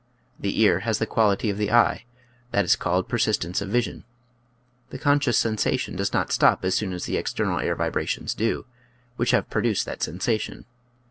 The ear has the quality of the eye, that is called persistence of vision. The conscious sensation does not stop as soon as the external air vibrations do, which have produced that sensation.